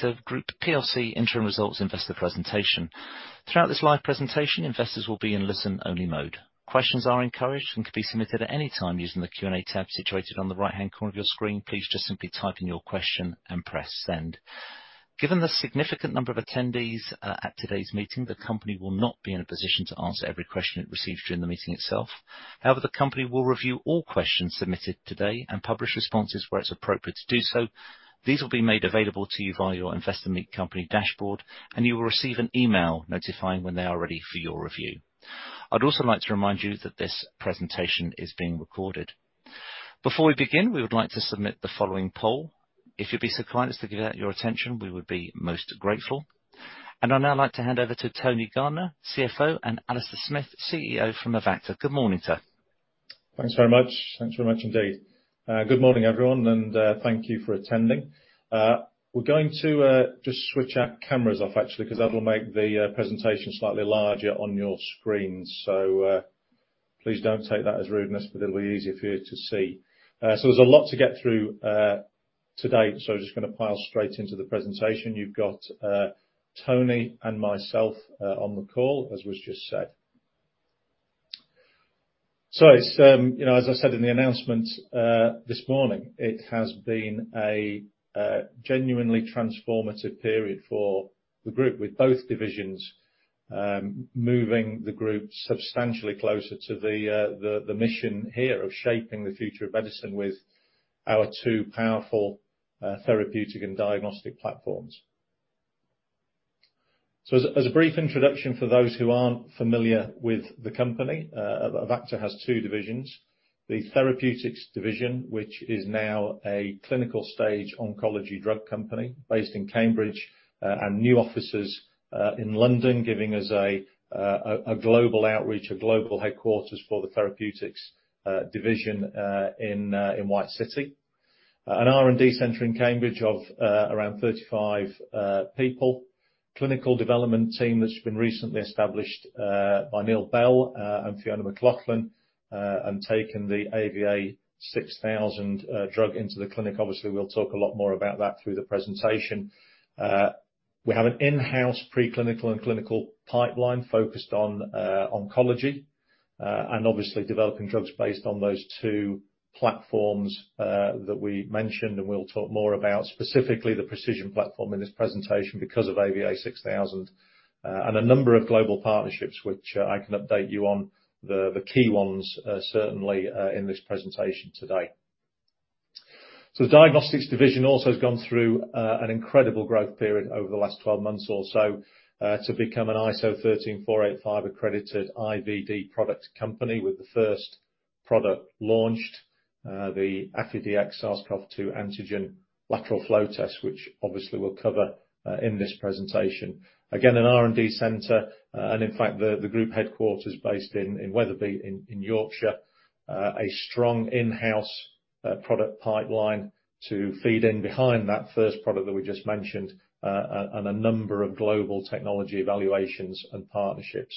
The Group plc interim results investor presentation. Throughout this live presentation, investors will be in listen-only mode. Questions are encouraged and can be submitted at any time using the Q&A tab situated on the right-hand corner of your screen. Please just simply type in your question and press send. Given the significant number of attendees at today's meeting, the company will not be in a position to answer every question it receives during the meeting itself. The company will review all questions submitted today and publish responses where it's appropriate to do so. These will be made available to you via your Investor Meet Company dashboard, and you will receive an email notifying when they are ready for your review. I'd also like to remind you that this presentation is being recorded. Before we begin, we would like to submit the following poll. If you'd be so kind as to give it your attention, we would be most grateful. I'd now like to hand over to Tony Gardiner, CFO, and Alastair Smith, CEO from Avacta. Good morning, sir. Thanks very much. Thanks very much indeed. Good morning, everyone, thank you for attending. We're going to just switch our cameras off actually, 'cause that'll make the presentation slightly larger on your screen. Please don't take that as rudeness, but it'll be easier for you to see. There's a lot to get through today. I'm just gonna pile straight into the presentation. You've got Tony Gardiner and myself on the call, as was just said. As you know, as I said in the announcement this morning, it has been a genuinely transformative period for the Group, with both divisions moving the Group substantially closer to the mission here of shaping the future of medicine with our two powerful therapeutic and diagnostic platforms. As a brief introduction, for those who aren't familiar with the company, Avacta Group has two divisions. The Therapeutics Division, which is now a clinical-stage oncology drug company based in Cambridge, and new offices in London, giving us a global outreach, a global headquarters for the Therapeutics Division in White City. An R&D center in Cambridge of around 35 people. Clinical development team that's been recently established by Neil Bell and Fiona McLaughlin and taken the AVA-6000 drug into the clinic. Obviously, we'll talk a lot more about that through the presentation. We have an in-house preclinical and clinical pipeline focused on oncology and obviously developing drugs based on those two platforms that we mentioned, and we'll talk more about specifically the pre|CISION platform in this presentation because of AVA6000. And a number of global partnerships which I can update you on the key ones certainly in this presentation today. The diagnostics division also has gone through an incredible growth period over the last 12 months or so to become an ISO 13485 accredited IVD product company with the first product launched, the AffiDX SARS-CoV-2 antigen lateral flow test, which obviously we'll cover in this presentation. Again, an R&D center and in fact, the group headquarters based in Wetherby in Yorkshire. A strong in-house product pipeline to feed in behind that first product that we just mentioned, and a number of global technology evaluations and partnerships.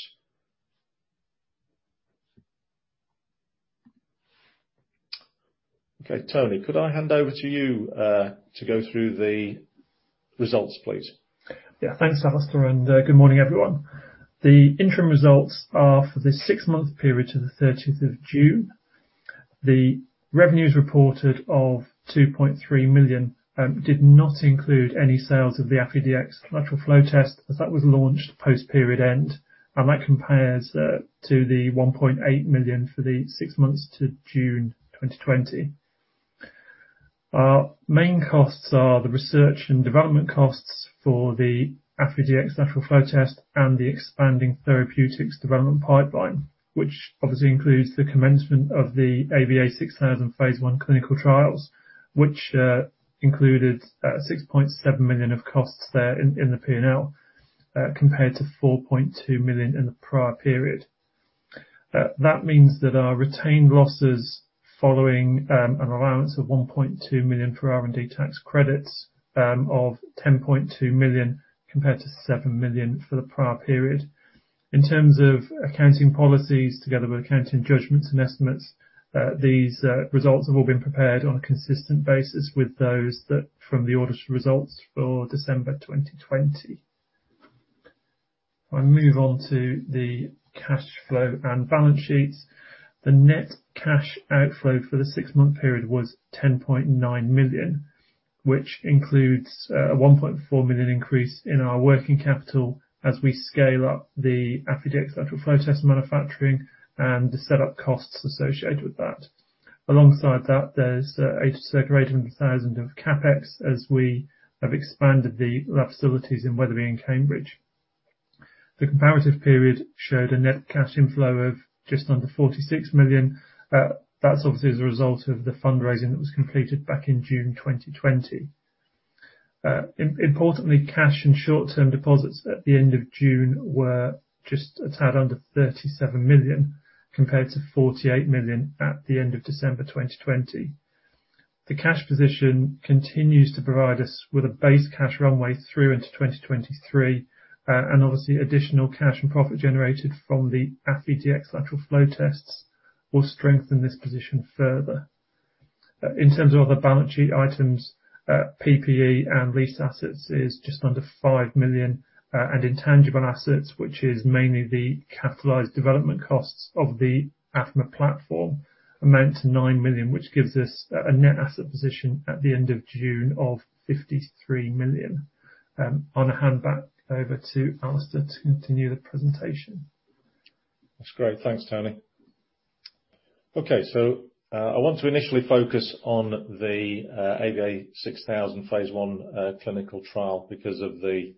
Okay, Tony, could I hand over to you to go through the results please? Thanks, Alastair, good morning, everyone. The interim results are for the six-month period to the 30th of June. The revenues reported of 2.3 million did not include any sales of the AffiDX lateral flow test, as that was launched post period-end, that compares to 1.8 million for the six months to June 2020. Our main costs are the research and development costs for the AffiDX lateral flow test and the expanding therapeutics development pipeline, which obviously includes the commencement of the AVA6000 phase I clinical trials, which included 6.7 million of costs there in the P&L compared to 4.2 million in the prior period. That means that our retained losses following an allowance of 1.2 million for R&D tax credits, of 10.2 million, compared to 7 million for the prior period. In terms of accounting policies together with accounting judgments and estimates, these results have all been prepared on a consistent basis with those that from the audited results for December 2020. If I move on to the cash flow and balance sheets, the net cash outflow for the six-month period was 10.9 million, which includes a 1.4 million increase in our working capital as we scale up the AffiDX lateral flow test manufacturing and the setup costs associated with that. Alongside that, there's circa 800 thousand of CapEx as we have expanded the lab facilities in Wetherby and Cambridge. The comparative period showed a net cash inflow of just under 46 million. That's obviously as a result of the fundraising that was completed back in June 2020. Importantly, cash and short-term deposits at the end of June were just a tad under 37 million, compared to 48 million at the end of December 2020. The cash position continues to provide us with a base cash runway through into 2023, and obviously additional cash and profit generated from the AffiDX lateral flow tests will strengthen this position further. In terms of other balance sheet items, PPE and lease assets is just under 5 million, and intangible assets, which is mainly the capitalized development costs of the Affimer platform, amount to 9 million, which gives us a net asset position at the end of June of 53 million. I hand back over to Alastair to continue the presentation. That's great. Thanks, Tony. Okay. I want to initially focus on the AVA6000 phase I clinical trial because of the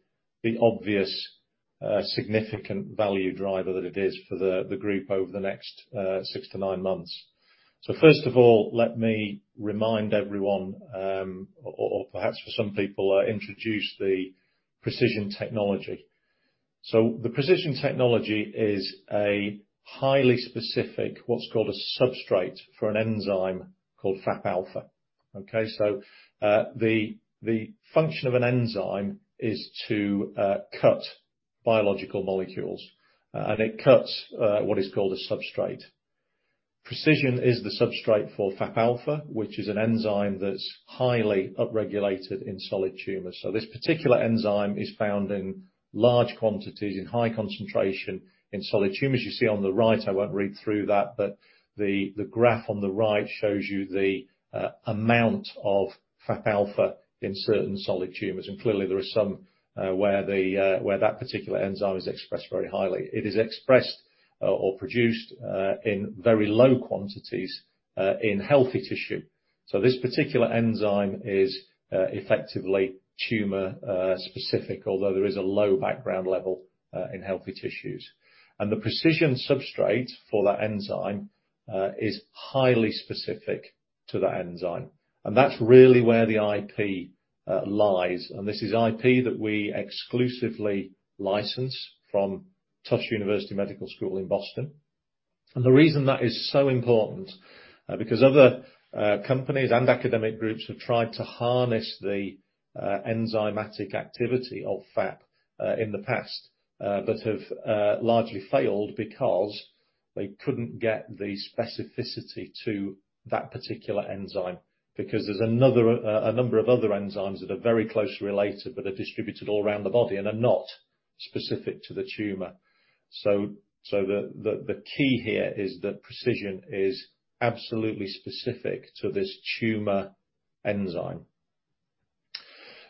obvious significant value driver that it is for the group over the next 6-9 months. First of all, let me remind everyone, or perhaps for some people, introduce the pre|CISION technology. The pre|CISION technology is a highly specific, what's called a substrate for an enzyme called FAP-alpha. Okay. The function of an enzyme is to cut biological molecules, and it cuts what is called a substrate. pre|CISION is the substrate for FAP-alpha, which is an enzyme that's highly upregulated in solid tumors. This particular enzyme is found in large quantities, in high concentration in solid tumors. You see on the right, I won't read through that, but the graph on the right shows you the amount of FAP-alpha in certain solid tumors. Clearly there are some where that particular enzyme is expressed very highly. It is expressed or produced in very low quantities in healthy tissue. This particular enzyme is effectively tumor-specific, although there is a low background level in healthy tissues. The pre|CISION substrate for that enzyme is highly specific to that enzyme. That's really where the IP lies. This is IP that we exclusively license from Tufts University School of Medicine in Boston. The reason that is so important, because other companies and academic groups have tried to harness the enzymatic activity of FAP in the past, but have largely failed because they couldn't get the specificity to that particular enzyme because there's a number of other enzymes that are very closely related but are distributed all around the body and are not specific to the tumor. The key here is that pre|CISION is absolutely specific to this tumor enzyme.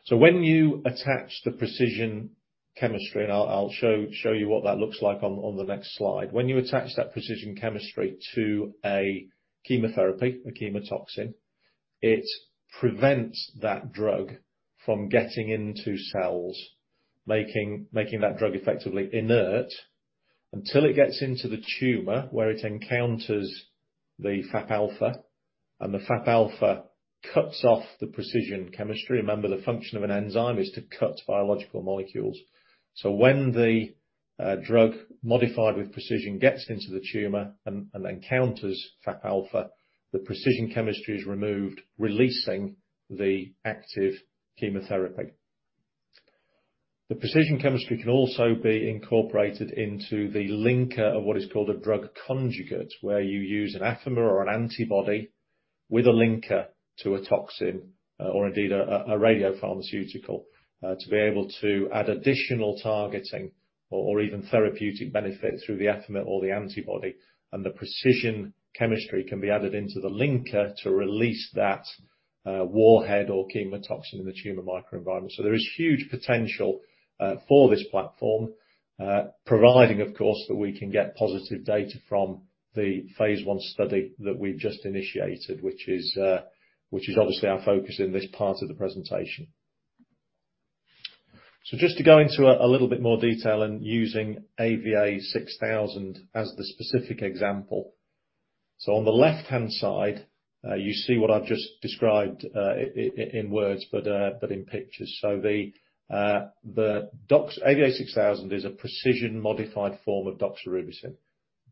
When you attach the pre|CISION chemistry, and I'll show you what that looks like on the next slide. When you attach that pre|CISION chemistry to a chemotherapy, a chemotoxin, it prevents that drug from getting into cells, making that drug effectively inert until it gets into the tumor where it encounters the FAP-alpha and the FAP-alpha cuts off the pre|CISION chemistry. Remember, the function of an enzyme is to cut biological molecules. When the drug modified with pre|CISION gets into the tumor and encounters FAP-alpha, the pre|CISION chemistry is removed, releasing the active chemotherapy. The pre|CISION chemistry can also be incorporated into the linker of what is called a drug conjugate, where you use an Affimer or an antibody with a linker to a toxin or indeed a radiopharmaceutical to be able to add additional targeting or even therapeutic benefit through the Affimer or the antibody. The pre|CISION chemistry can be added into the linker to release that warhead or chemotoxin in the tumor microenvironment. There is huge potential for this platform, providing of course that we can get positive data from the phase I study that we've just initiated, which is obviously our focus in this part of the presentation. Just to go into a little bit more detail and using AVA-6000 as the specific example. On the left-hand side, you see what I've just described in words but in pictures. The AVA-6000 is a pre|CISION modified form of doxorubicin.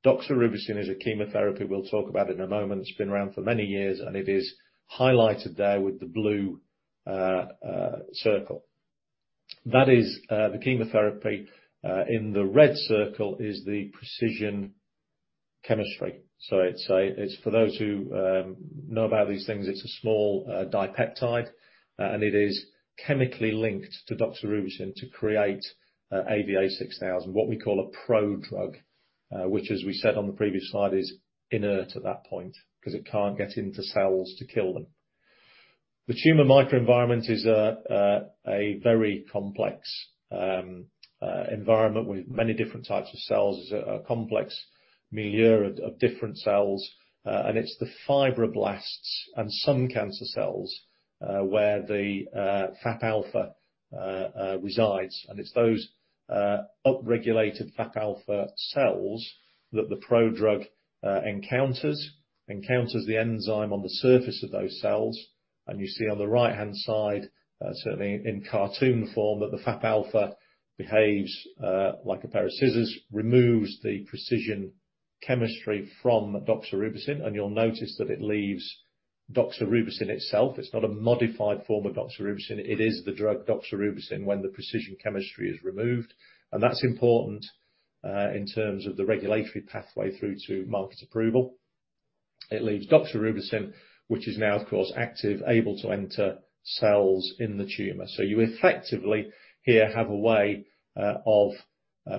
Doxorubicin is a chemotherapy we'll talk about in a moment. It's been around for many years, and it is highlighted there with the blue circle. That is the chemotherapy. In the red circle is the pre|CISION chemistry. It's for those who know about these things, it's a small dipeptide, and it is chemically linked to doxorubicin to create AVA-6000, what we call a prodrug, which as we said on the previous slide, is inert at that point because it can't get into cells to kill them. The tumor microenvironment is a very complex environment with many different types of cells. It's a complex milieu of different cells, and it's the fibroblasts and some cancer cells where the FAP-alpha resides. It's those upregulated FAP-alpha cells that the prodrug encounters the enzyme on the surface of those cells. You see on the right-hand side, certainly in cartoon form, that the FAP-alpha behaves like a pair of scissors, removes the pre|CISION chemistry from doxorubicin, and you'll notice that it leaves doxorubicin itself. It's not a modified form of doxorubicin. It is the drug doxorubicin when the pre|CISION chemistry is removed. That's important in terms of the regulatory pathway through to market approval. It leaves doxorubicin, which is now, of course, active, able to enter cells in the tumor. You effectively here have a way of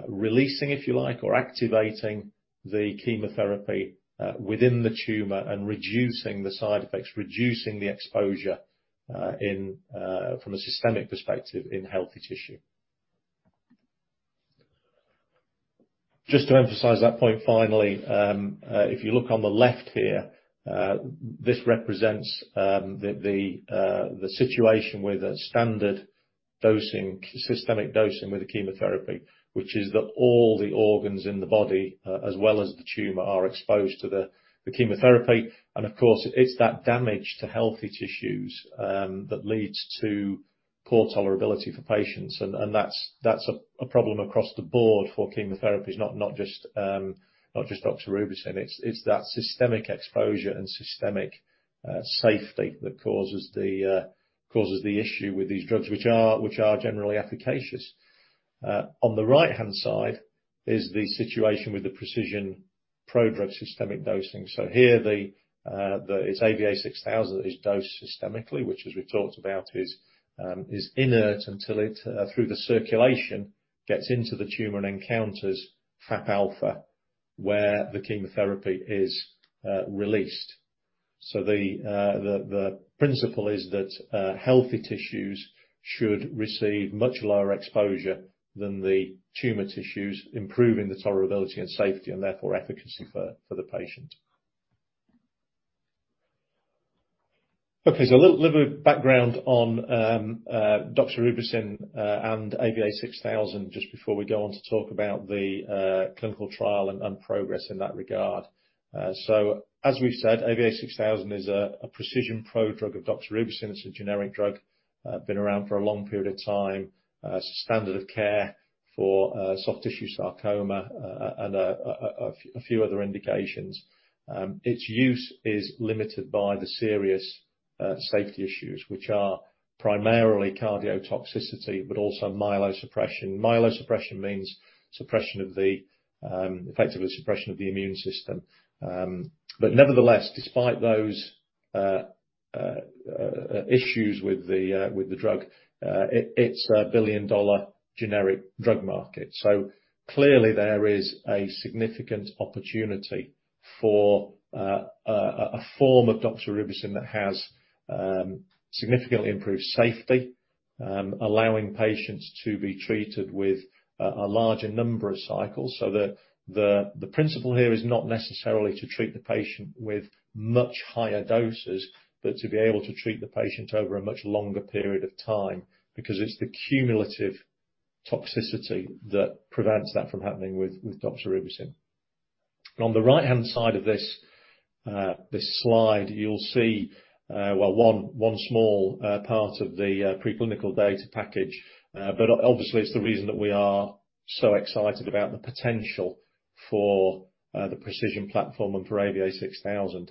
releasing, if you like, or activating the chemotherapy within the tumor and reducing the side effects, reducing the exposure from a systemic perspective in healthy tissue. Just to emphasize that point finally, if you look on the left here, this represents the situation with a standard systemic dosing with the chemotherapy, which is that all the organs in the body, as well as the tumor, are exposed to the chemotherapy. Of course, it's that damage to healthy tissues that leads to poor tolerability for patients. That's a problem across the board for chemotherapies, not just doxorubicin. It's that systemic exposure and systemic safety that causes the issue with these drugs, which are generally efficacious. On the right-hand side is the situation with the pre|CISION prodrug systemic dosing. Here, it's AVA-6000 that is dosed systemically, which as we've talked about is inert until it, through the circulation, gets into the tumor and encounters FAP-alpha where the chemotherapy is released. The principle is that healthy tissues should receive much lower exposure than the tumor tissues, improving the tolerability and safety, and therefore efficacy for the patient. A little bit of background on doxorubicin and AVA-6000, just before we go on to talk about the clinical trial and progress in that regard. As we've said, AVA-6000 is a pre|CISION prodrug of doxorubicin. It's a generic drug, been around for a long period of time, standard of care for soft tissue sarcoma and a few other indications. Its use is limited by the serious safety issues, which are primarily cardiotoxicity, but also myelosuppression. Myelosuppression means effectively suppression of the immune system. Nevertheless, despite those issues with the drug, it's a billion-dollar generic drug market. Clearly there is a significant opportunity for a form of doxorubicin that has significantly improved safety, allowing patients to be treated with a larger number of cycles. The principle here is not necessarily to treat the patient with much higher doses, but to be able to treat the patient over a much longer period of time, because it's the cumulative toxicity that prevents that from happening with doxorubicin. On the right-hand side of this slide, you'll see 1 small part of the preclinical data package. Obviously it's the reason that we are so excited about the potential for the pre|CISION platform and for AVA6000.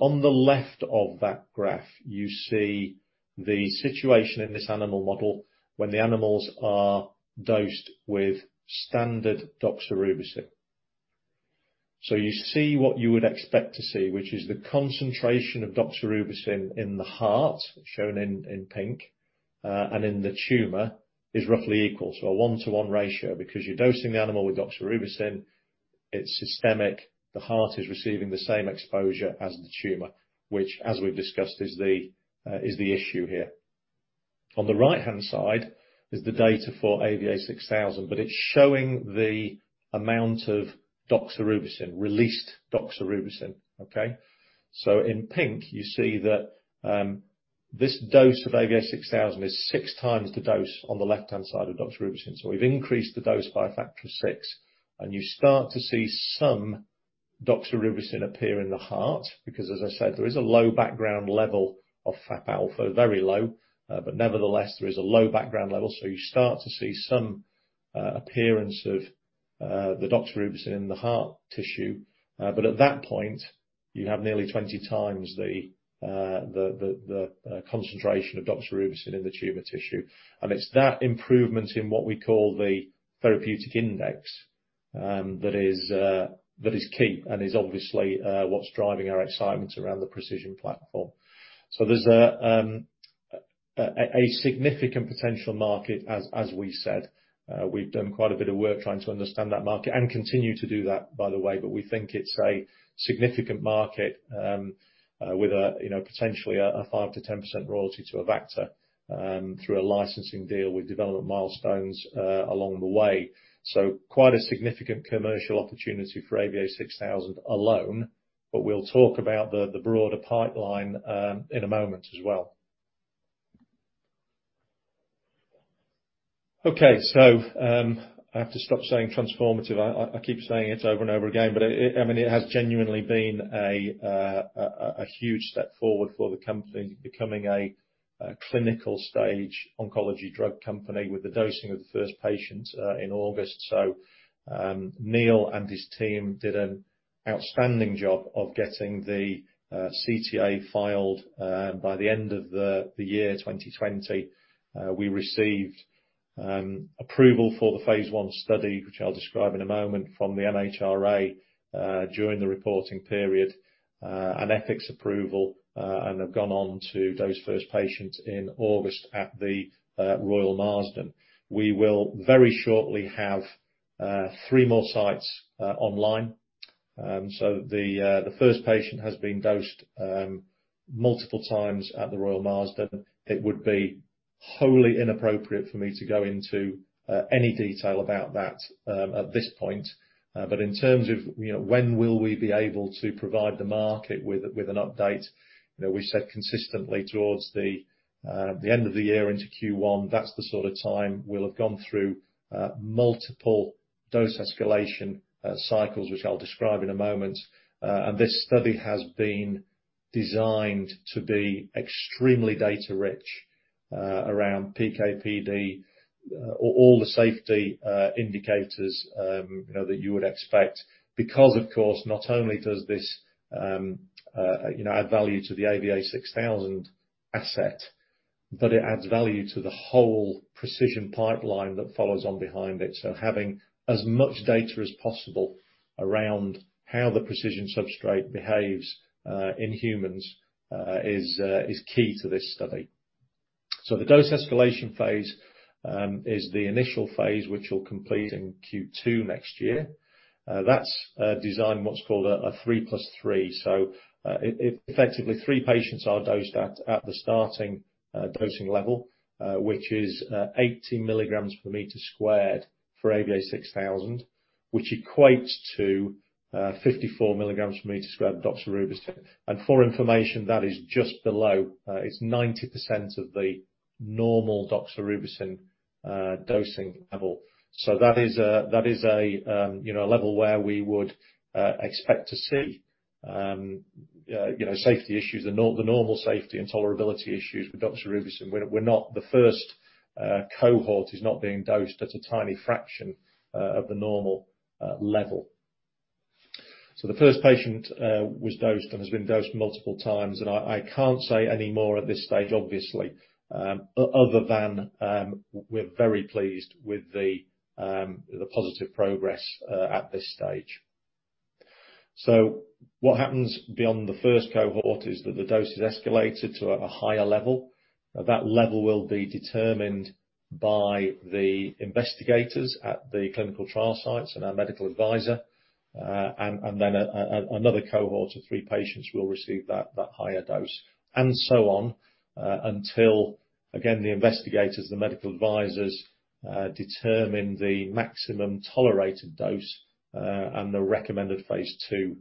On the left of that graph, you see the situation in this animal model when the animals are dosed with standard doxorubicin. You see what you would expect to see, which is the concentration of doxorubicin in the heart, shown in pink, and in the tumor is roughly equal. A one-to-one ratio, because you're dosing the animal with doxorubicin, it's systemic, the heart is receiving the same exposure as the tumor, which as we've discussed, is the issue here. On the right-hand side is the data for AVA6000, but it's showing the amount of released doxorubicin. Okay? In pink, you see that this dose of AVA6000 is 6x the dose on the left-hand side of doxorubicin. We've increased the dose by a factor of six, and you start to see some doxorubicin appear in the heart, because as I said, there is a low background level of FAP-alpha, very low, but nevertheless, there is a low background level. You start to see some appearance of the doxorubicin in the heart tissue. At that point, you have nearly 20x the concentration of doxorubicin in the tumor tissue. It's that improvement in what we call the therapeutic index that is key and is obviously what's driving our excitement around the pre|CISION platform. There's a significant potential market as we said. We've done quite a bit of work trying to understand that market and continue to do that, by the way, but we think it's a significant market, with potentially a 5%-10% royalty to Avacta through a licensing deal with development milestones along the way. Quite a significant commercial opportunity for AVA-6000 alone, but we'll talk about the broader pipeline in a moment as well. I have to stop saying transformative. I keep saying it over and over again, it has genuinely been a huge step forward for the company becoming a clinical-stage oncology drug company with the dosing of the first patients in August. Neil and his team did an outstanding job of getting the CTA filed by the end of 2020. We received approval for the phase I study, which I'll describe in a moment from the MHRA during the reporting period, an ethics approval, and have gone on to dose first patients in August at the Royal Marsden. We will very shortly have three more sites online. The first patient has been dosed multiple times at the Royal Marsden. It would be wholly inappropriate for me to go into any detail about that at this point. In terms of when will we be able to provide the market with an update, we've said consistently towards the end of the year into Q1, that's the sort of time we'll have gone through multiple dose escalation cycles, which I'll describe in a moment. This study has been designed to be extremely data-rich around PK/PD, all the safety indicators that you would expect because of course, not only does this add value to the AVA-6000 asset, but it adds value to the whole pre|CISION pipeline that follows on behind it. Having as much data as possible around how the pre|CISION substrate behaves in humans is key to this study. The dose escalation phase is the initial phase which will complete in Q2 next year. That's designed what's called a 3+3. Effectively three patients are dosed at the starting dosing level, which is 80 mgs per meter squared for AVA6000, which equates to 54 mgs per meter squared doxorubicin. For information that is just below, it's 90% of the normal doxorubicin dosing level. That is a level where we would expect to see safety issues, the normal safety and tolerability issues with doxorubicin. The first cohort is not being dosed at a tiny fraction of the normal level. The first patient was dosed and has been dosed multiple times, and I can't say any more at this stage, obviously, other than we're very pleased with the positive progress at this stage. What happens beyond the first cohort is that the dose is escalated to a higher level. That level will be determined by the investigators at the clinical trial sites and our medical advisor. Another cohort of three patients will receive that higher dose, and so on, until, again, the investigators, the medical advisors determine the maximum tolerated dose, and the recommended phase II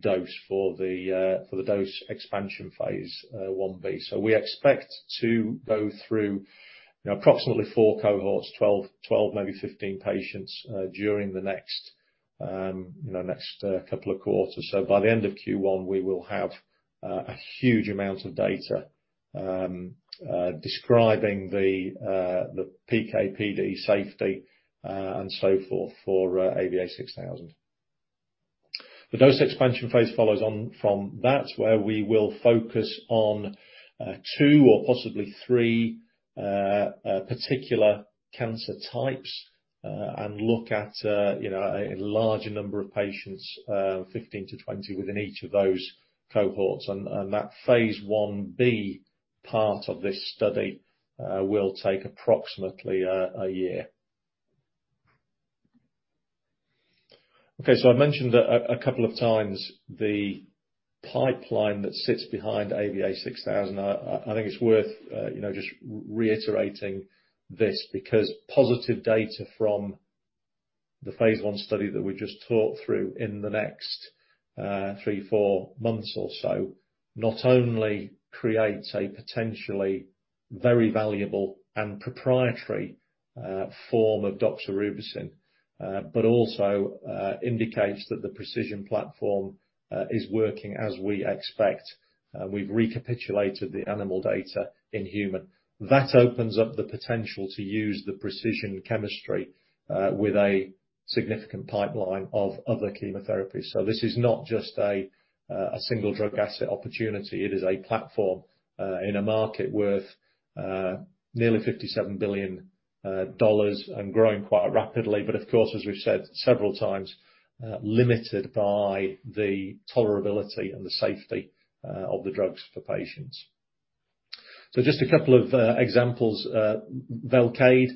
dose for the dose expansion phase I-B. We expect to go through approximately four cohorts, 12, maybe 15 patients, during the next couple of quarters. By the end of Q1, we will have a huge amount of data describing the PK/PD safety, and so forth for AVA-6000. The dose expansion phase follows on from that, where we will focus on two or possibly three particular cancer types, and look at a larger number of patients, 15-20 within each of those cohorts. That phase I-B part of this study will take approximately a year. I mentioned a couple of times the pipeline that sits behind AVA-6000. I think it's worth just reiterating this because positive data from the phase I study that we just talked through in the next three, four months or so not only creates a potentially very valuable and proprietary form of doxorubicin, but also indicates that the pre|CISION platform is working as we expect. We've recapitulated the animal data in human. That opens up the potential to use the pre|CISION chemistry with a significant pipeline of other chemotherapies. This is not just a single drug asset opportunity. It is a platform in a market worth nearly GBP 57 billion and growing quite rapidly. Of course, as we've said several times, limited by the tolerability and the safety of the drugs for patients. Just a couple of examples. Velcade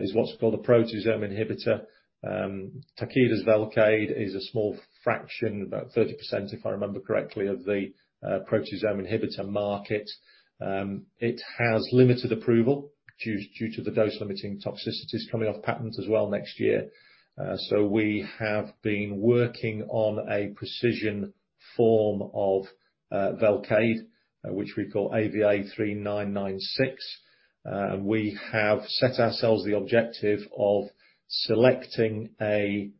is what's called a proteasome inhibitor. Takeda's Velcade is a small fraction, about 30%, if I remember correctly, of the proteasome inhibitor market. It has limited approval due to the dose-limiting toxicities coming off patent as well next year. We have been working on a pre|CISION form of Velcade, which we call AVA3996. We have set ourselves the objective of selecting a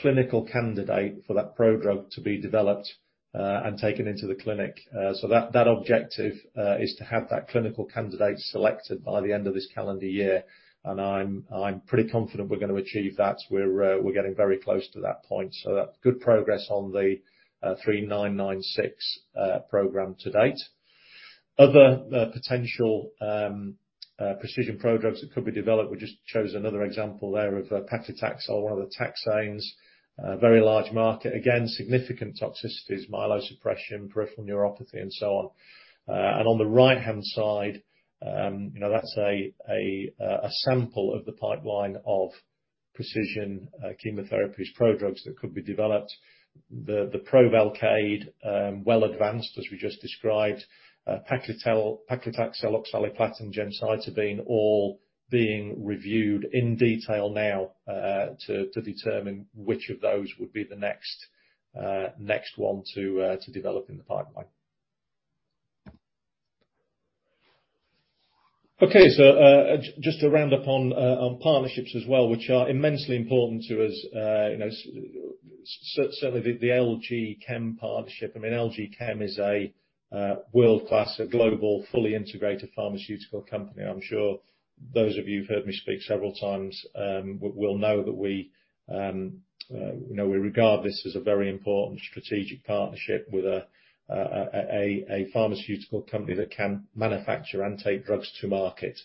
clinical candidate for that prodrug to be developed and taken into the clinic. That objective is to have that clinical candidate selected by the end of this calendar year. I'm pretty confident we're going to achieve that. We're getting very close to that point. Good progress on the 3996 program to date. Other potential pre|CISION prodrugs that could be developed. We just chose another example there of paclitaxel, one of the taxanes. Very large market. Again, significant toxicities, myelosuppression, peripheral neuropathy, and so on. On the right-hand side, that's a sample of the pipeline of precision chemotherapies, prodrugs that could be developed. The pro-Velcade, well advanced, as we just described. paclitaxel, oxaliplatin, gemcitabine, all being reviewed in detail now to determine which of those would be the next one to develop in the pipeline. Okay. Just to round up on partnerships as well, which are immensely important to us. Certainly the LG Chem partnership. I mean, LG Chem is a world-class, a global, fully integrated pharmaceutical company. I'm sure those of you who've heard me speak several times will know that we regard this as a very important strategic partnership with a pharmaceutical company that can manufacture and take drugs to market.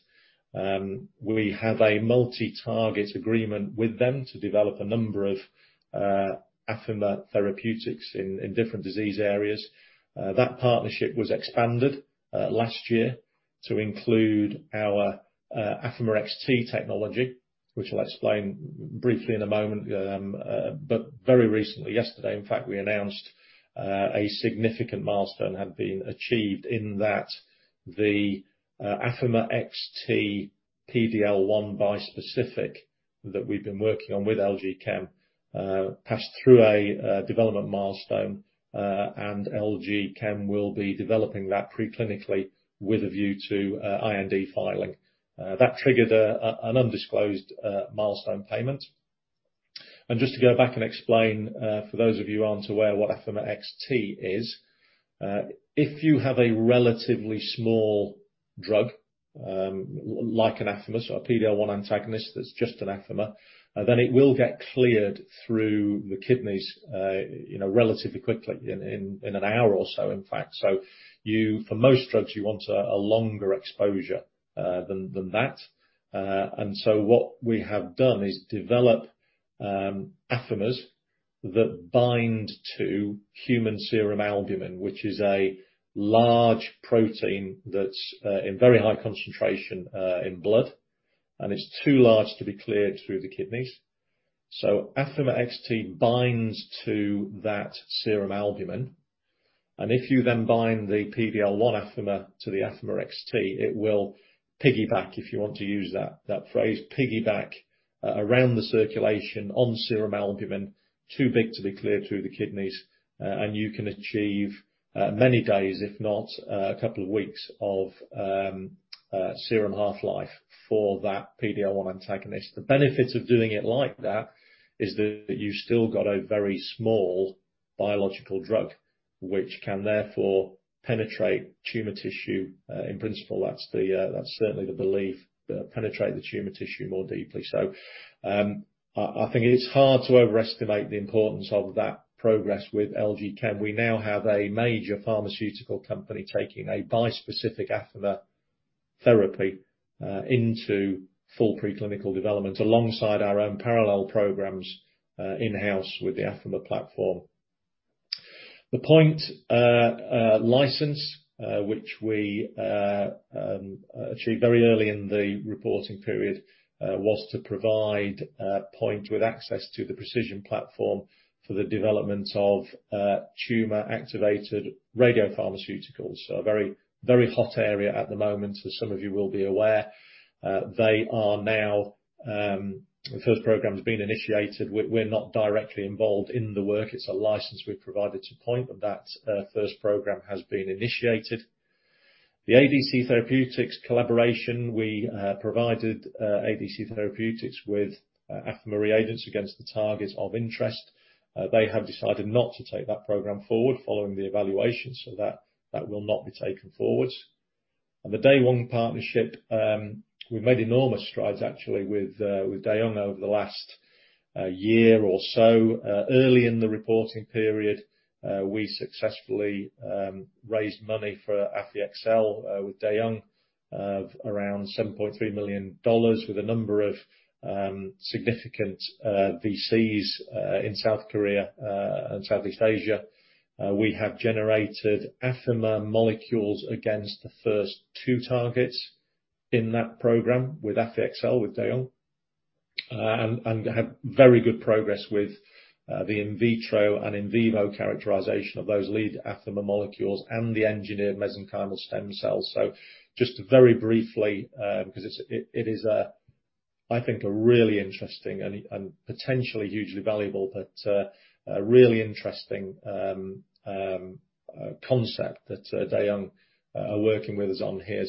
We have a multi-target agreement with them to develop a number of Affimer therapeutics in different disease areas. That partnership was expanded last year to include our Affimer-XT technology, which I'll explain briefly in a moment. Very recently, yesterday in fact, we announced a significant milestone had been achieved in that the Affimer-XT PD-L1 bispecific that we've been working on with LG Chem passed through a development milestone, and LG Chem will be developing that pre-clinically with a view to IND filing. That triggered an undisclosed milestone payment. Just to go back and explain, for those of you who aren't aware what Affimer-XT is, if you have a relatively small drug, like an Affimer or a PD-L1 antagonist that's just an Affimer, then it will get cleared through the kidneys relatively quickly, in an hour or so, in fact. For most drugs, you want a longer exposure than that. What we have done is develop Affimers that bind to human serum albumin, which is a large protein that's in very high concentration in blood, and it's too large to be cleared through the kidneys. Affimer-XT binds to that serum albumin, and if you then bind the PD-L1 Affimer to the Affimer-XT, it will, if you want to use that phrase, piggyback around the circulation on serum albumin too big to be cleared through the kidneys, and you can achieve many days, if not a couple of weeks, of serum half-life for that PD-L1 antagonist. The benefit of doing it like that is that you've still got a very small biological drug, which can therefore penetrate tumor tissue, in principle. That's certainly the belief, penetrate the tumor tissue more deeply. I think it is hard to overestimate the importance of that progress with LG Chem. We now have a major pharmaceutical company taking a bispecific Affimer therapy into full preclinical development alongside our own parallel programs in-house with the Affimer platform. The Point license, which we achieved very early in the reporting period, was to provide Point with access to the pre|CISION platform for the development of tumor-activated radiopharmaceuticals. A very hot area at the moment, as some of you will be aware. The first program has been initiated. We're not directly involved in the work. It's a license we've provided to Point, but that first program has been initiated. The ADC Therapeutics collaboration, we provided ADC Therapeutics with Affimer reagents against the targets of interest. They have decided not to take that program forward following the evaluation, so that will not be taken forward. The Daewoong partnership, we've made enormous strides actually with Daewoong over the last year or so. Early in the reporting period, we successfully raised money for AffyXell with Daewoong of around $7.3 million with a number of significant VCs in South Korea and Southeast Asia. We have generated Affimer molecules against the first two targets in that program with AffyXell with Daewoong, and have very good progress with the in vitro and in vivo characterization of those lead Affimer molecules and the engineered mesenchymal stem cells. Just very briefly, because it is, I think, a really interesting and potentially hugely valuable, but really interesting concept that Daewoong are working with us on here.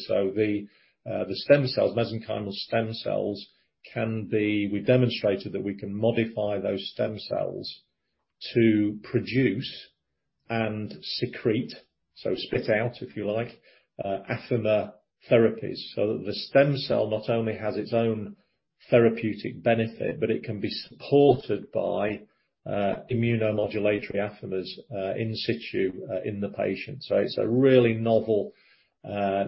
The mesenchymal stem cells, we demonstrated that we can modify those stem cells to produce and secrete, so spit out, if you like, Affimer therapies so that the stem cell not only has its own therapeutic benefit, but it can be supported by immunomodulatory Affimers in situ in the patient. It's a really novel,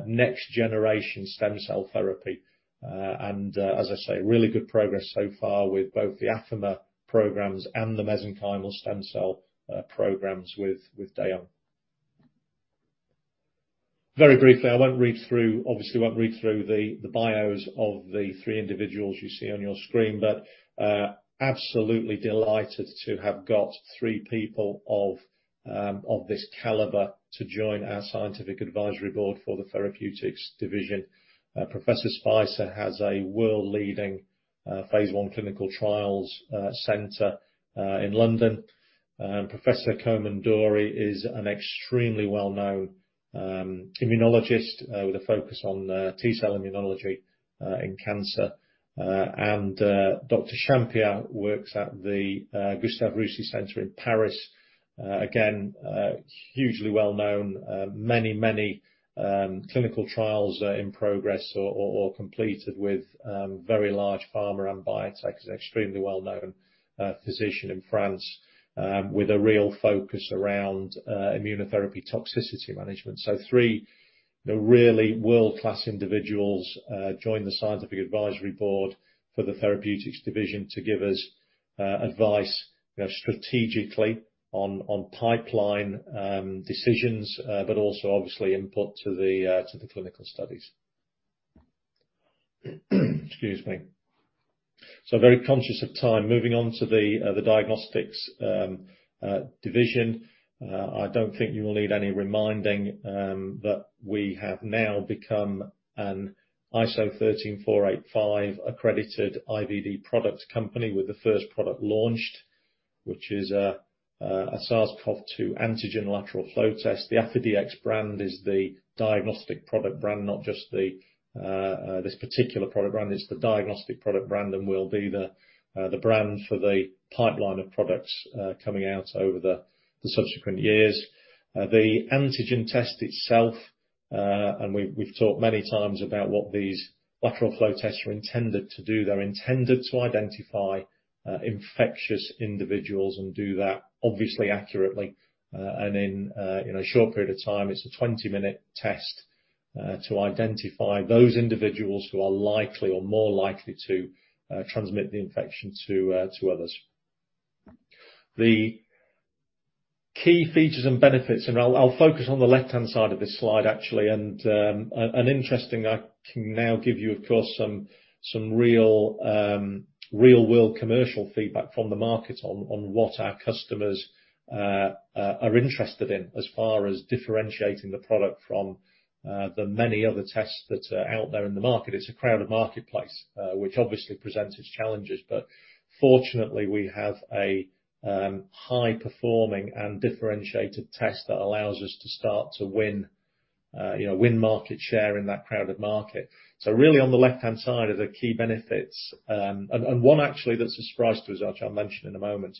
next generation stem cell therapy. As I say, really good progress so far with both the AffyXell programs and the mesenchymal stem cell programs with Daewoong Pharmaceutical. Very briefly, I won't read through the bios of the three individuals you see on your screen. Absolutely delighted to have got three people of this Calibre to join our scientific advisory board for the therapeutics division. Professor Spicer has a world-leading phase I clinical trials center in London. Professor Komanduri is an extremely well-known immunologist with a focus on T-cell immunology in cancer. Dr. Champiat works at the Gustave Roussy in Paris. Again, hugely well-known, many clinical trials are in progress or completed with very large pharma and biotech. He's extremely well-known physician in France with a real focus around immunotherapy toxicity management. Three really world-class individuals join the scientific advisory board for the Therapeutics Division to give us advice strategically on pipeline decisions, but also obviously input to the clinical studies. Excuse me. Very conscious of time. Moving on to the Diagnostics Division. I don't think you will need any reminding that we have now become an ISO 13485 accredited IVD product company with the first product launched, which is a SARS-CoV-2 antigen lateral flow test. The AffiDX brand is the diagnostic product brand, not just this particular product brand. It's the diagnostic product brand and will be the brand for the pipeline of products coming out over the subsequent years. The antigen test itself, we've talked many times about what these lateral flow tests are intended to do. They're intended to identify infectious individuals and do that obviously accurately, and in a short period of time. It's a 20-minute test, to identify those individuals who are likely or more likely to transmit the infection to others. The key features and benefits, I'll focus on the left-hand side of this slide, actually. Interesting, I can now give you, of course, some real-world commercial feedback from the market on what our customers are interested in as far as differentiating the product from the many other tests that are out there in the market. It's a crowded marketplace, which obviously presents its challenges, but fortunately, we have a high-performing and differentiated test that allows us to start to win market share in that crowded market. Really on the left-hand side are the key benefits. One actually that's a surprise to us, which I'll mention in a moment.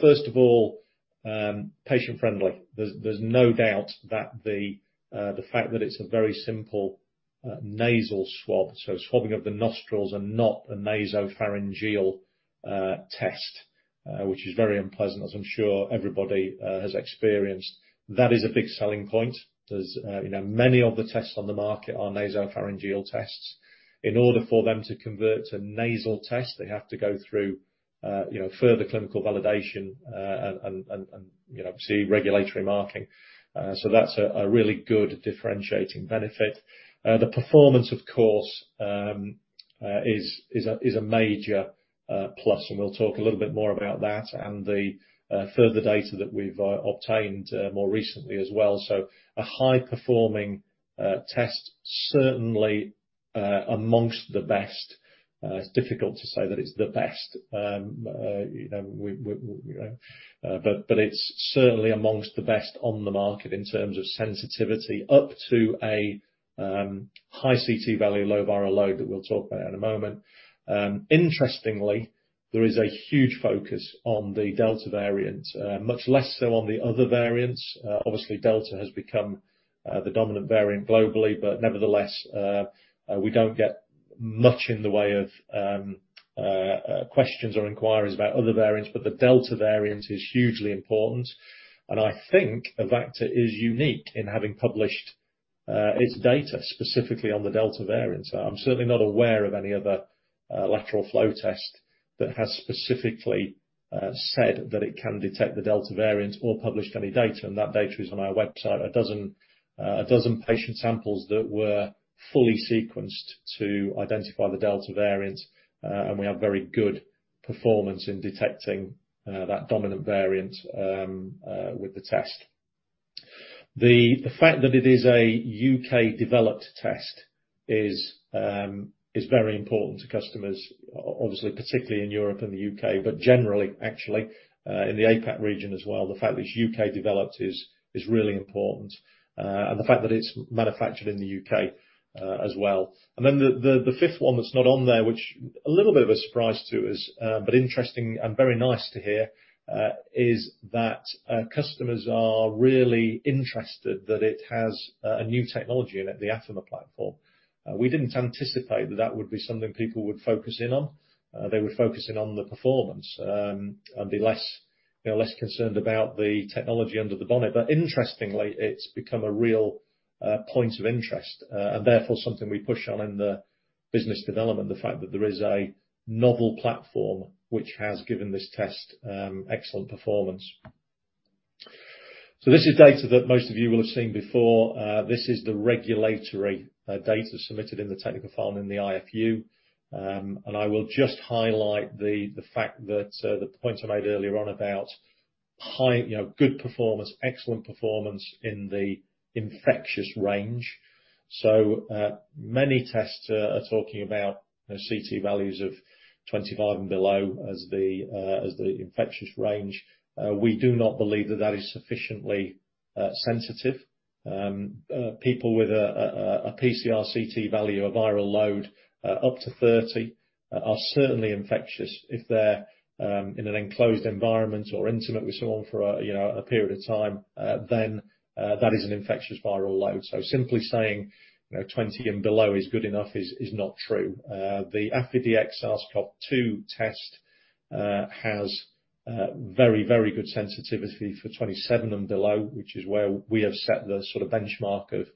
First of all, patient-friendly. There's no doubt that the fact that it's a very simple nasal swab, so swabbing of the nostrils and not a nasopharyngeal test, which is very unpleasant, as I'm sure everybody has experienced. That is a big selling point. As you know, many of the tests on the market are nasopharyngeal tests. In order for them to convert to nasal tests, they have to go through further clinical validation and obviously regulatory marking. That's a really good differentiating benefit. The performance, of course, is a major plus, and we'll talk a little bit more about that and the further data that we've obtained more recently as well. A high-performing test, certainly amongst the best. It's difficult to say that it's the best, but it's certainly amongst the best on the market in terms of sensitivity up to a high CT value, low viral load that we'll talk about in a moment. Interestingly, there is a huge focus on the Delta variant, much less so on the other variants. Obviously, Delta has become the dominant variant globally, but nevertheless, we don't get much in the way of questions or inquiries about other variants, but the Delta variant is hugely important, and I think Avacta is unique in having published its data specifically on the Delta variant. I'm certainly not aware of any other lateral flow test that has specifically said that it can detect the Delta variant or published any data, and that data is on our website. 12 patient samples that were fully sequenced to identify the Delta variant. We have very good performance in detecting that dominant variant with the test. The fact that it is a U.K.-developed test is very important to customers, obviously, particularly in Europe and the U.K., but generally actually, in the APAC region as well. The fact that it's U.K.-developed is really important, and the fact that it's manufactured in the U.K. as well. The fifth one that's not on there, which a little bit of a surprise to us, but interesting and very nice to hear, is that customers are really interested that it has a new technology in it, the Affimer platform. We didn't anticipate that that would be something people would focus in on. They would focus in on the performance. They are less concerned about the technology under the bonnet. Interestingly, it's become a real point of interest, and therefore something we push on in the business development, the fact that there is a novel platform which has given this test excellent performance. This is data that most of you will have seen before. This is the regulatory data submitted in the technical file in the IFU. I will just highlight the fact that the point I made earlier on about good performance, excellent performance in the infectious range. Many tests are talking about CT values of 25 and below as the infectious range. We do not believe that is sufficiently sensitive. People with a PCR CT value of viral load up to 30 are certainly infectious if they're in an enclosed environment or intimate with someone for a period of time, then that is an infectious viral load. Simply saying 20 and below is good enough is not true. The AffiDX SARS-CoV-2 test has very good sensitivity for 27 and below, which is where we have set the sort of benchmark of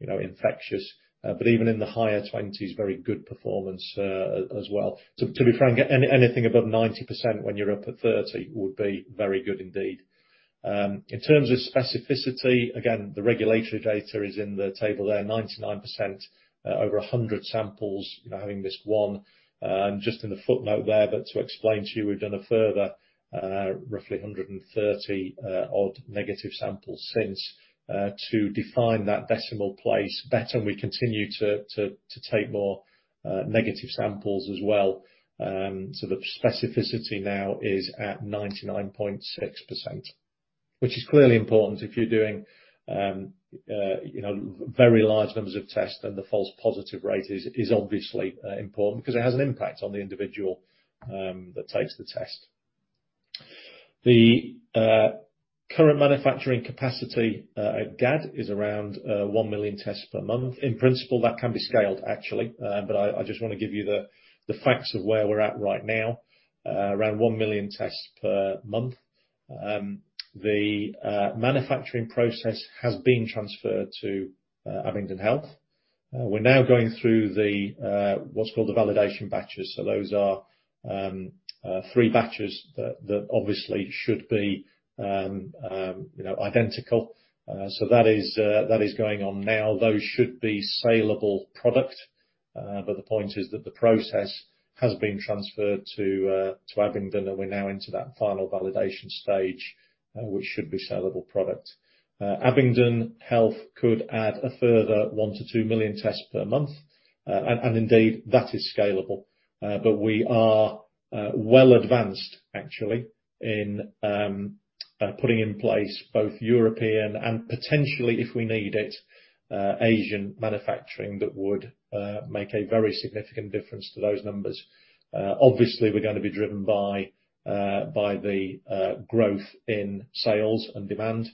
infectious, but even in the higher 20s, very good performance as well. To be frank, anything above 90% when you're up at 30 would be very good indeed. In terms of specificity, again, the regulatory data is in the table there, 99% over 100 samples having this one. Just in the footnote there, but to explain to you, we've done a further roughly 130 odd negative samples since to define that decimal place better, and we continue to take more negative samples as well. The specificity now is at 99.6%, which is clearly important if you're doing very large numbers of tests and the false positive rate is obviously important because it has an impact on the individual that takes the test. The current manufacturing capacity at GAD is around 1 million tests per month. In principle, that can be scaled actually, but I just want to give you the facts of where we're at right now, around 1 million tests per month. The manufacturing process has been transferred to Abingdon Health. We're now going through what's called the validation batches. Those are three batches that obviously should be identical. That is going on now. Those should be saleable product, but the point is that the process has been transferred to Abingdon, and we're now into that final validation stage, which should be saleable product. Abingdon Health could add a further 1 million-2 million tests per month. Indeed, that is scalable. We are well advanced, actually, in putting in place both European and potentially, if we need it, Asian manufacturing that would make a very significant difference to those numbers. Obviously, we're going to be driven by the growth in sales and demand.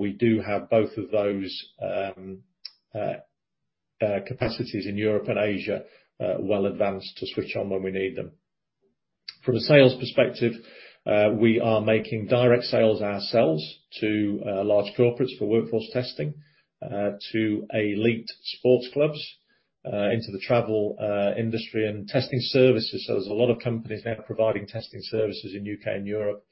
We do have both of those capacities in Europe and Asia well advanced to switch on when we need them. From a sales perspective, we are making direct sales ourselves to large corporates for workforce testing, to elite sports clubs, into the travel industry and testing services. There's a lot of companies now providing testing services in U.K. and Europe.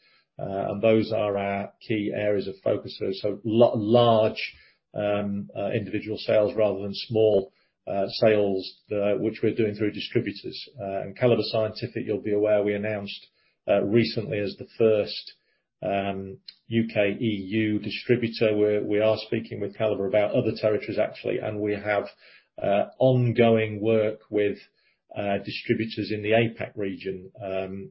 Those are our key areas of focus. Large individual sales rather than small sales, which we're doing through distributors. Calibre Scientific, you'll be aware, we announced recently as the first U.K. E.U. distributor. We are speaking with Calibre about other territories, actually, and we have ongoing work with distributors in the APAC region.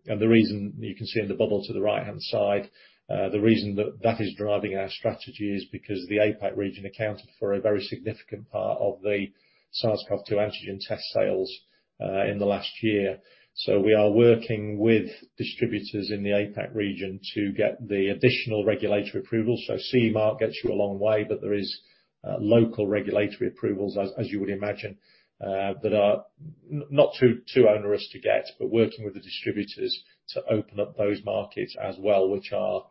You can see in the bubble to the right-hand side, the reason that is driving our strategy is because the APAC region accounted for a very significant part of the SARS-CoV-2 antigen test sales in the last year. We are working with distributors in the APAC region to get the additional regulatory approval. CE mark gets you a long way, but there is local regulatory approvals, as you would imagine, that are not too onerous to get, but working with the distributors to open up those markets as well, which are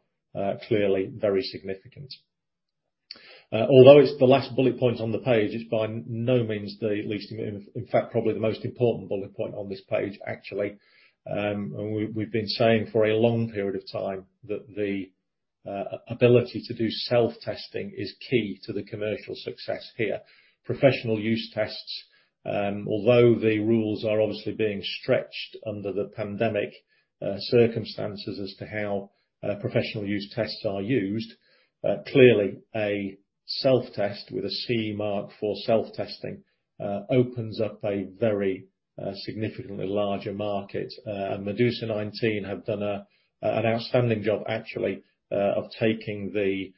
clearly very significant. Although it's the last bullet point on the page, it's by no means the least, in fact, probably the most important bullet point on this page, actually. We've been saying for a long period of time that the ability to do self-testing is key to the commercial success here. Professional use tests, although the rules are obviously being stretched under the pandemic circumstances as to how professional use tests are used, clearly a self-test with a CE mark for self-testing opens up a very significantly larger market. Medusa19 have done an outstanding job, actually, of taking the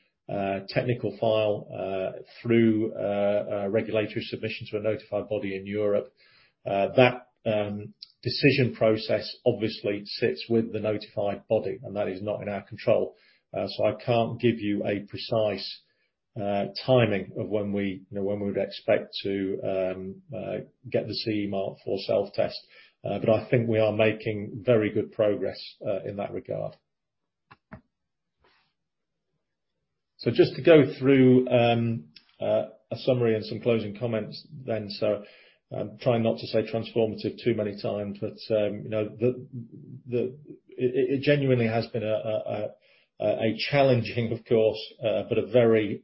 technical file through regulatory submissions to a notified body in Europe. That decision process obviously sits with the notified body, and that is not in our control. I can't give you a precise timing of when we would expect to get the CE mark for self-test. I think we are making very good progress in that regard. Just to go through a summary and some closing comments then. I'm trying not to say transformative too many times, but it genuinely has been a challenging, of course, but a very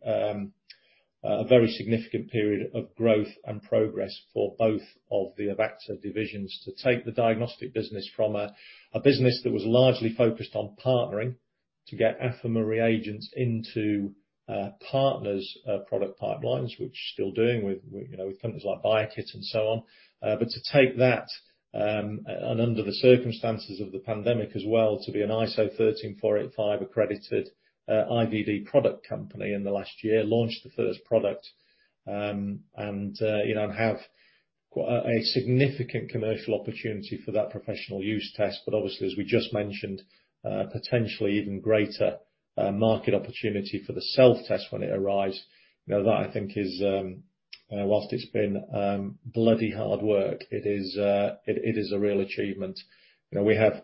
significant period of growth and progress for both of the Avacta divisions to take the diagnostic business from a business that was largely focused on partnering to get Affimer reagents into partners' product pipelines, which we're still doing with companies like Biokit and so on. To take that, and under the circumstances of the pandemic as well, to be an ISO 13485 accredited IVD product company in the last year, launched the first product, and have a significant commercial opportunity for that professional use test. Obviously, as we just mentioned, potentially even greater market opportunity for the self-test when it arrives. That I think is, whilst it's been bloody hard work, it is a real achievement. We have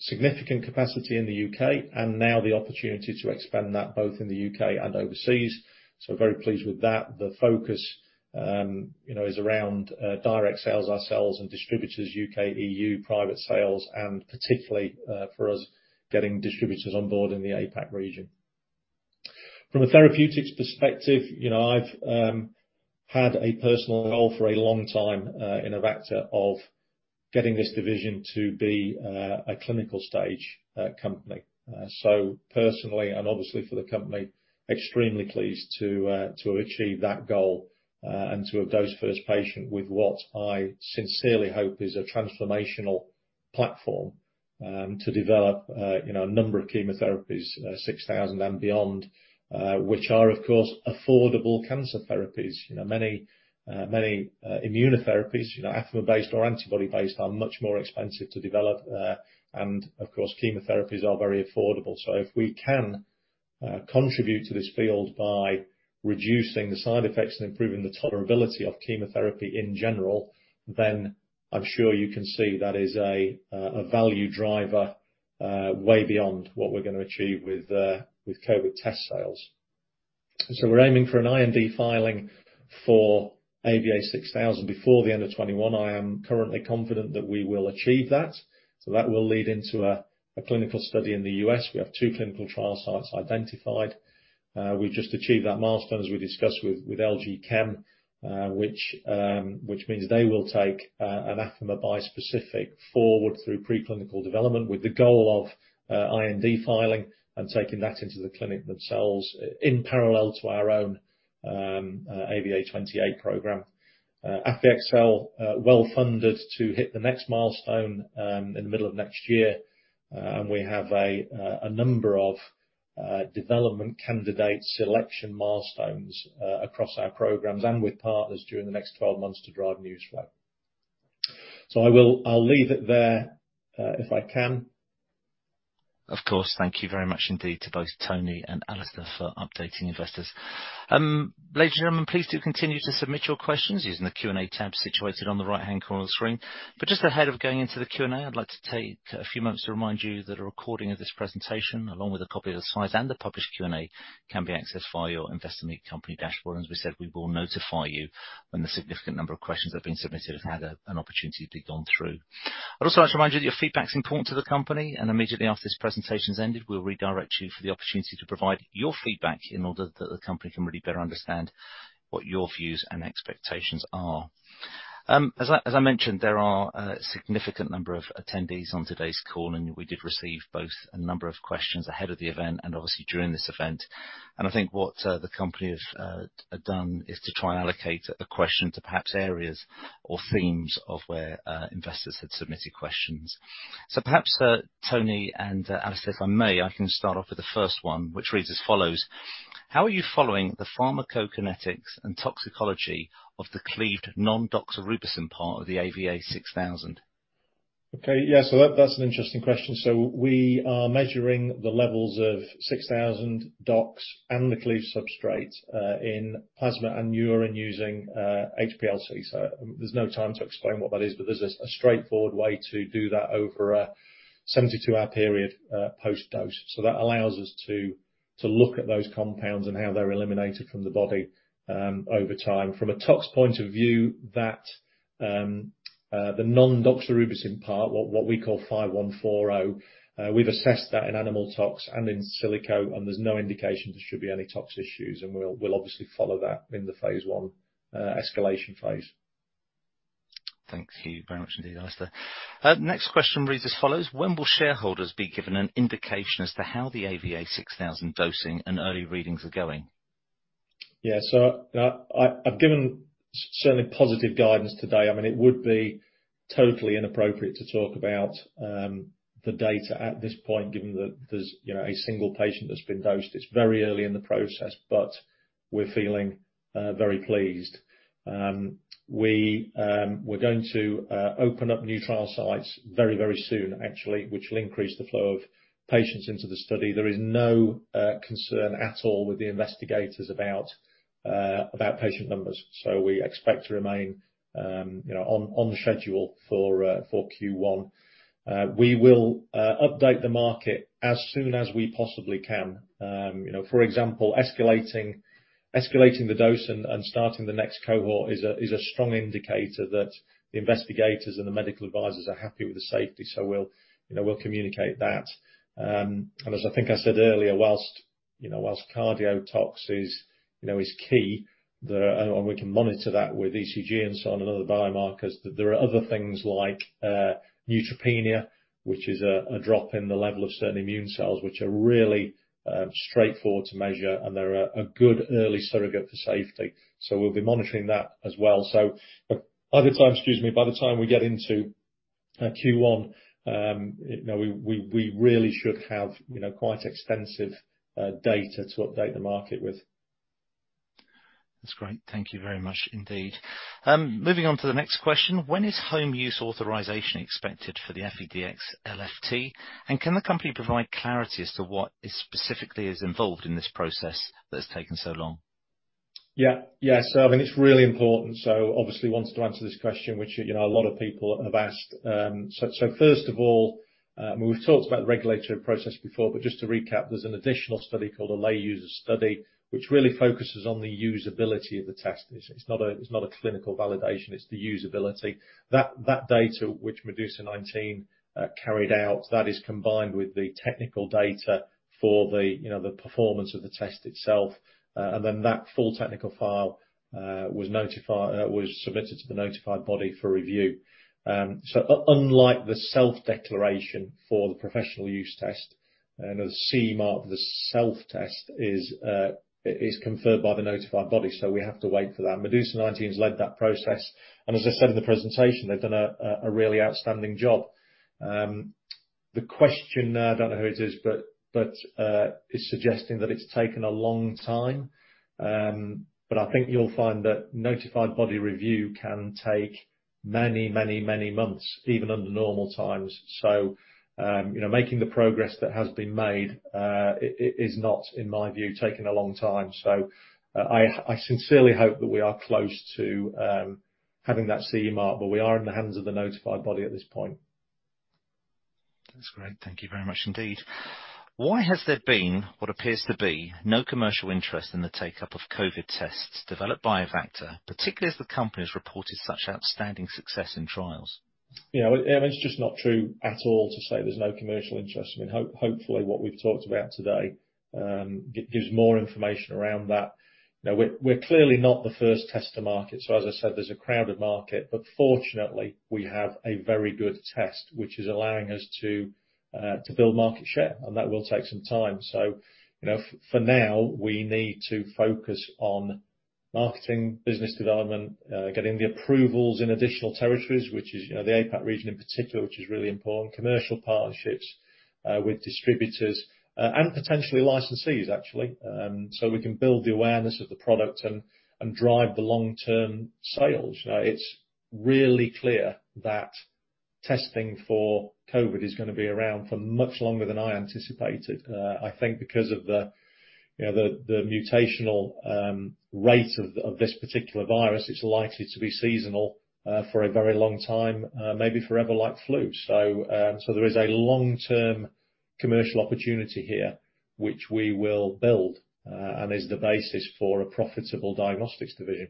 significant capacity in the U.K., now the opportunity to expand that both in the U.K. and overseas. Very pleased with that. The focus is around direct sales ourselves and distributors, U.K., EU, private sales, and particularly, for us, getting distributors on board in the APAC region. From a therapeutics perspective, I've had a personal goal for a long time in Avacta of getting this division to be a clinical stage company. Personally, and obviously for the company, extremely pleased to achieve that goal, and to have dosed first patient with what I sincerely hope is a transformational platform to develop a number of chemotherapies, 6,000 and beyond, which are, of course, affordable cancer therapies. Many immunotherapies, Affimer-based or antibody-based, are much more expensive to develop. Of course, chemotherapies are very affordable. If we can contribute to this field by reducing the side effects and improving the tolerability of chemotherapy in general, I'm sure you can see that is a value driver way beyond what we're going to achieve with COVID test sales. We're aiming for an IND filing for AVA-6000 before the end of 2021. I am currently confident that we will achieve that. That will lead into a clinical study in the U.S. We have two clinical trial sites identified. We've just achieved that milestone, as we discussed with LG Chem, which means they will take an Affimer bispecific forward through preclinical development with the goal of IND filing and taking that into the clinic themselves in parallel to our own AVA-28 program. AffyXell, well funded to hit the next milestone in the middle of next year. We have a number of development candidate selection milestones across our programs and with partners during the next 12 months to drive news flow. I'll leave it there if I can. Of course. Thank you very much indeed to both Tony and Alastair for updating investors. Ladies and gentlemen, please do continue to submit your questions using the Q&A tab situated on the right-hand corner of the screen. Just ahead of going into the Q&A, I'd like to take a few moments to remind you that a recording of this presentation, along with a copy of the slides and the published Q&A, can be accessed via your Investor Meet Company dashboard. As we said, we will notify you when the significant number of questions that have been submitted have had an opportunity to be gone through. I'd also like to remind you that your feedback is important to the company. Immediately after this presentation is ended, we'll redirect you for the opportunity to provide your feedback in order that the company can really better understand what your views and expectations are. As I mentioned, there are a significant number of attendees on today's call. We did receive both a number of questions ahead of the event and obviously during this event. I think what the company have done is to try and allocate a question to perhaps areas or themes of where investors had submitted questions. Perhaps, Tony and Alastair, if I may, I can start off with the first one, which reads as follows: How are you following the pharmacokinetics and toxicology of the cleaved non-doxorubicin part of the AVA6000? Okay. Yeah, that's an interesting question. We are measuring the levels of AVA6000 doxorubicin and the cleaved substrate in plasma and urine using HPLC. There's no time to explain what that is, but there's a straightforward way to do that over a 72-hour period post-dose. That allows us to look at those compounds and how they're eliminated from the body over time. From a tox point of view, the non-doxorubicin part, what we call 5140, we've assessed that in animal tox and in silico, and there's no indication there should be any tox issues, and we'll obviously follow that in the phase I escalation phase. Thank you very much indeed, Alastair. Next question reads as follows: When will shareholders be given an indication as to how the AVA6000 dosing and early readings are going? Yeah. I've given certainly positive guidance today. It would be totally inappropriate to talk about the data at this point, given that there's a 1 patient that's been dosed. It's very early in the process, but we're feeling very pleased. We're going to open up new trial sites very soon, actually, which will increase the flow of patients into the study. There is no concern at all with the investigators about patient numbers. We expect to remain on the schedule for Q1. We will update the market as soon as we possibly can. For example, escalating the dose and starting the next cohort is a strong indicator that the investigators and the medical advisors are happy with the safety. We'll communicate that. As I think I said earlier, while cardiotox is key, and we can monitor that with ECG and so on, and other biomarkers, there are other things like neutropenia, which is a drop in the level of certain immune cells, which are really straightforward to measure, and they're a good early surrogate for safety. We'll be monitoring that as well. By the time we get into Q1, we really should have quite extensive data to update the market with. That's great. Thank you very much indeed. Moving on to the next question. When is home use authorization expected for the AffiDX LFT? Can the company provide clarity as to what specifically is involved in this process that's taken so long? Yeah. It's really important. Obviously wanted to answer this question, which a lot of people have asked. First of all, we've talked about the regulatory process before, but just to recap, there's an additional study called a lay user study, which really focuses on the usability of the test. It's not a clinical validation, it's the usability. That data, which Medusa19 carried out, that is combined with the technical data for the performance of the test itself. Then that full technical file was submitted to the notified body for review. Unlike the self-declaration for the professional use test, the CE mark for the self-test is conferred by the notified body. We have to wait for that. Medusa19's led that process, and as I said in the presentation, they've done a really outstanding job. The question, I don't know whose it is suggesting that it's taken a long time. I think you'll find that notified body review can take many months, even under normal times. Making the progress that has been made is not, in my view, taking a long time. I sincerely hope that we are close to having that CE mark, we are in the hands of the notified body at this point. That's great. Thank you very much indeed. Why has there been what appears to be no commercial interest in the take-up of COVID tests developed by Avacta, particularly as the company has reported such outstanding success in trials? It's just not true at all to say there's no commercial interest. Hopefully what we've talked about today gives more information around that. We're clearly not the first test to market. As I said, there's a crowded market, but fortunately, we have a very good test, which is allowing us to build market share, and that will take some time. For now, we need to focus on marketing, business development, getting the approvals in additional territories, the APAC region in particular, which is really important. Commercial partnerships with distributors, and potentially licensees, actually. We can build the awareness of the product and drive the long-term sales. It's really clear that testing for COVID is going to be around for much longer than I anticipated. I think because of the mutational rate of this particular virus, it's likely to be seasonal for a very long time, maybe forever, like flu. There is a long-term commercial opportunity here, which we will build, and is the basis for a profitable diagnostics division.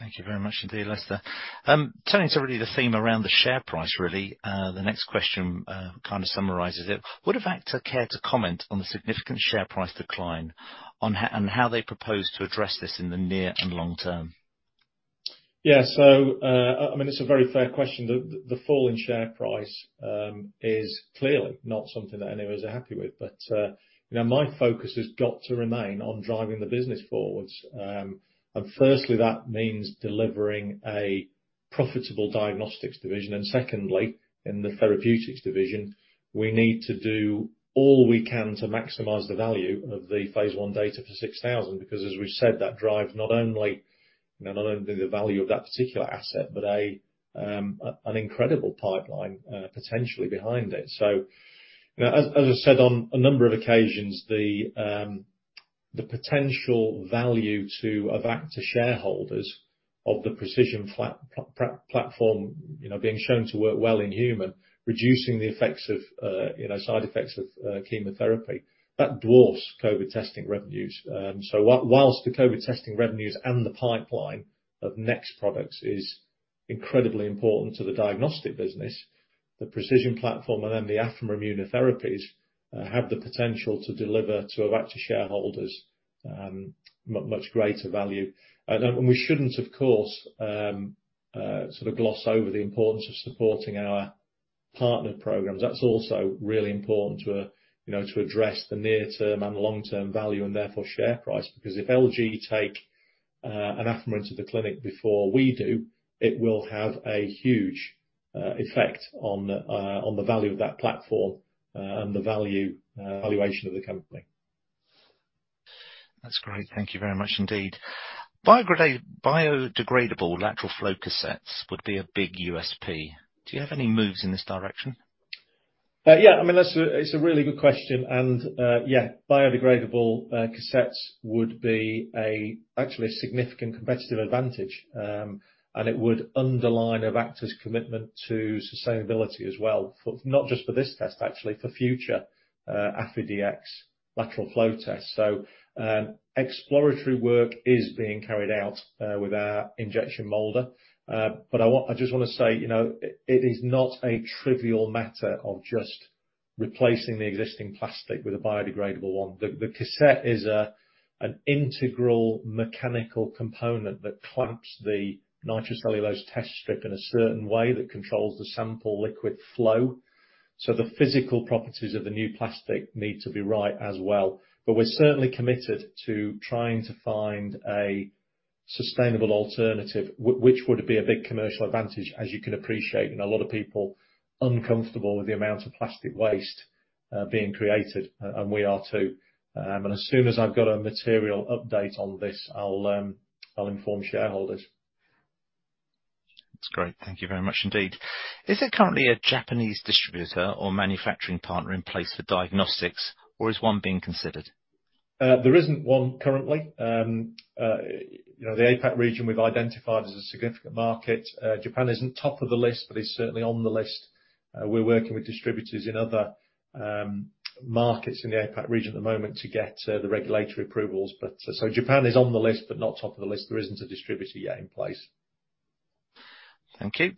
Thank you very much indeed, Alastair. Turning to the theme around the share price, the next question kind of summarizes it. Would Avacta care to comment on the significant share price decline, and how they propose to address this in the near and long term? Yeah. It's a very fair question. My focus has got to remain on driving the business forwards. Firstly, that means delivering a profitable diagnostics division. Secondly, in the therapeutics division, we need to do all we can to maximize the value of the phase I data for 6000, because as we've said, that drives not only the value of that particular asset, but an incredible pipeline potentially behind it. As I said on a number of occasions, the potential value to Avacta shareholders of the precision platform being shown to work well in human, reducing the side effects of chemotherapy, that dwarfs COVID testing revenues. Whilst the COVID testing revenues and the pipeline of next products is incredibly important to the diagnostic business, the pre|CISION platform, and then the Affimer immunotherapies have the potential to deliver to Avacta shareholders much greater value. We shouldn't, of course, sort of gloss over the importance of supporting our partner programs. That's also really important to address the near term and long-term value, and therefore share price. If LG take an Affimer into the clinic before we do, it will have a huge effect on the value of that platform and the valuation of the company. That's great. Thank you very much indeed. Biodegradable lateral flow cassettes would be a big USP. Do you have any moves in this direction? Yeah. It's a really good question. Yeah, biodegradable cassettes would be actually a significant competitive advantage. It would underline Avacta's commitment to sustainability as well. Not just for this test, actually, for future AffiDX lateral flow tests. Exploratory work is being carried out with our injection molder. I just want to say, it is not a trivial matter of just replacing the existing plastic with a biodegradable one. The cassette is an integral mechanical component that clamps the nitrocellulose test strip in a certain way that controls the sample liquid flow. The physical properties of the new plastic need to be right as well. We're certainly committed to trying to find a sustainable alternative, which would be a big commercial advantage, as you can appreciate. A lot of people uncomfortable with the amount of plastic waste being created, and we are too. As soon as I've got a material update on this, I'll inform shareholders. That's great. Thank you very much indeed. Is there currently a Japanese distributor or manufacturing partner in place for diagnostics or is one being considered? There isn't one currently. The APAC region we've identified as a significant market. Japan isn't top of the list, but is certainly on the list. We're working with distributors in other markets in the APAC region at the moment to get the regulatory approvals. Japan is on the list, but not top of the list. There isn't a distributor yet in place. Thank you.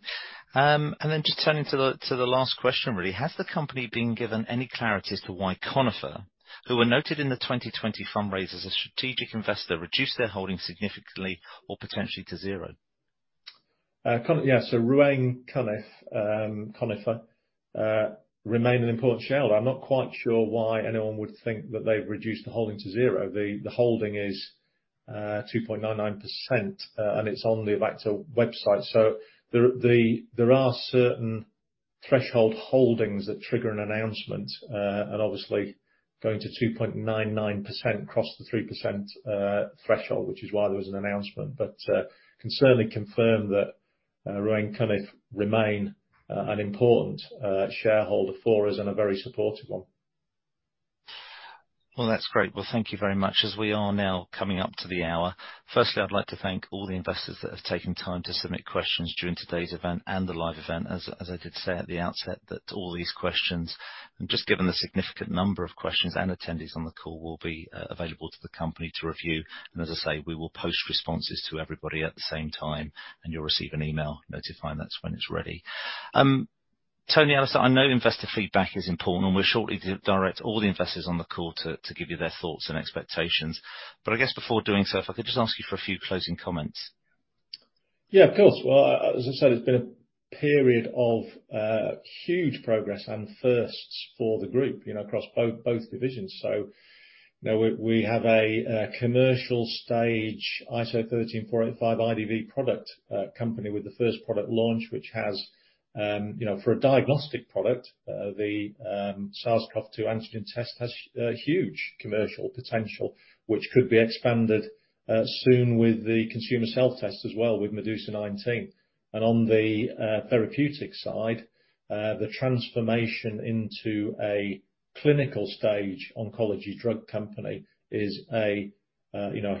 Just turning to the last question, really. Has the company been given any clarity as to why Conifer, who were noted in the 2020 fundraise as a strategic investor, reduced their holding significantly or potentially to zero? Ruweng Conifer remain an important shareholder. I am not quite sure why anyone would think that they've reduced the holding to zero. The holding is 2.99%, and it's on the Avacta website. There are certain threshold holdings that trigger an announcement. Obviously going to 2.99% crossed the 3% threshold, which is why there was an announcement. Can certainly confirm that Ruweng Conifer remain an important shareholder for us and a very supportive one. Well, that's great. Well, thank you very much as we are now coming up to the hour. Firstly, I'd like to thank all the investors that have taken time to submit questions during today's event and the live event. As I did say at the outset, that all these questions, and just given the significant number of questions and attendees on the call, will be available to the company to review. As I say, we will post responses to everybody at the same time, and you'll receive an email notifying that's when it's ready. Tony, Alastair, I know investor feedback is important, and we'll shortly direct all the investors on the call to give you their thoughts and expectations. I guess before doing so, if I could just ask you for a few closing comments. Yeah, of course. Well, as I said, it's been a period of huge progress and firsts for the group across both divisions. We have a commercial stage ISO 13485 IVD product company with the first product launch, which has, for a diagnostic product, the AffiDX SARS-CoV-2 antigen test has huge commercial potential, which could be expanded soon with the consumer self-test as well with Medusa19. On the therapeutics side, the transformation into a clinical stage oncology drug company is a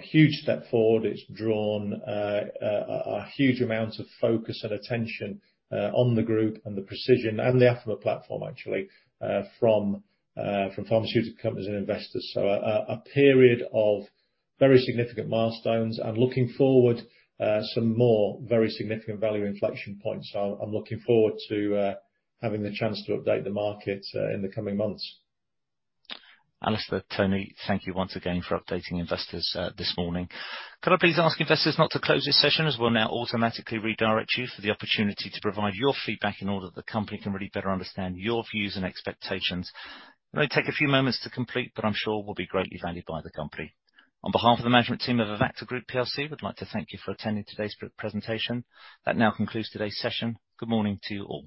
huge step forward. It's drawn a huge amount of focus and attention on the group and the pre|CISION and the Affimer platform actually from pharmaceutical companies and investors. A period of very significant milestones and looking forward, some more very significant value inflection points. I'm looking forward to having the chance to update the market in the coming months. Alastair, Tony, thank you once again for updating investors this morning. Could I please ask investors not to close this session as we'll now automatically redirect you for the opportunity to provide your feedback in order that the company can really better understand your views and expectations. It may take a few moments to complete, but I'm sure will be greatly valued by the company. On behalf of the management team of Avacta Group plc, we'd like to thank you for attending today's presentation. That now concludes today's session. Good morning to you all.